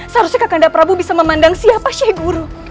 seharusnya kakanda prabu bisa memandang siapa syekh guru